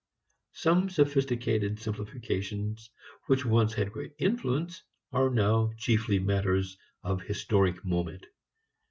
Some sophisticated simplifications which once had great influence are now chiefly matters of historic moment.